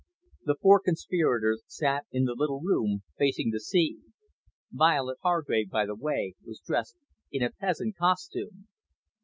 The four conspirators sat in the little room facing the sea. Violet Hargrave, by the way, was dressed in a peasant costume.